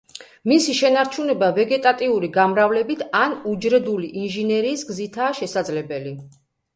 მისი შენარჩუნება ვეგეტატიური გამრავლებით ან უჯრედული ინჟინერიის გზითაა შესაძლებელი.